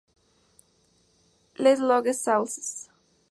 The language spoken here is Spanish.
Les Loges-Saulces